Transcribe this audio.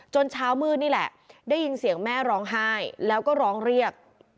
เช้ามืดนี่แหละได้ยินเสียงแม่ร้องไห้แล้วก็ร้องเรียก